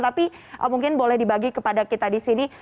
tapi mungkin boleh dibagi kepada kita di sini